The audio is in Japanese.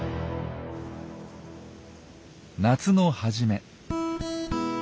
夏の初め。